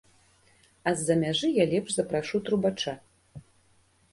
А з-за мяжы я лепш запрашу трубача.